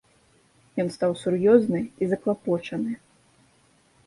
Ён стаў сур'ёзны і заклапочаны.